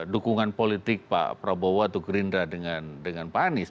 dukungan politik pak prabowo atau gerindra dengan pak anies